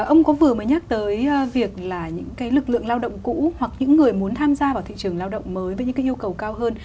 ông có vừa mới nhắc tới việc là những cái lực lượng lao động cũ hoặc những người muốn tham gia vào thị trường lao động mới với những cái yêu cầu cao hơn